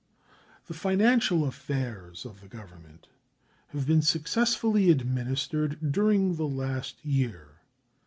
The financial affairs of the Government have been successfully administered during the last year.